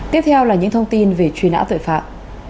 tiếp theo là những thông tin về truy nã tội phạm